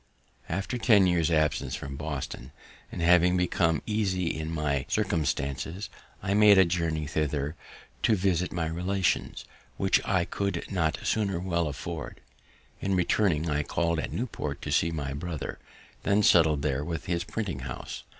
After ten years' absence from Boston, and having become easy in my circumstances, I made a journey thither to visit my relations, which I could not sooner well afford. In returning, I call'd at Newport to see my brother, then settled there with his printing house.